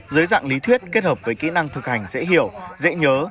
dưới dạng lý thuyết kết hợp với kỹ năng thực hành dễ hiểu dễ nhớ